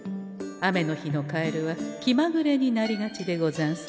雨の日のカエルはきまぐれになりがちでござんすから。